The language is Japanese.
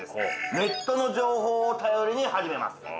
ネットの情報を頼りに始めます